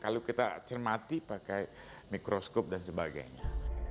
kalau kita cermati pakai mikroskop dan sebagainya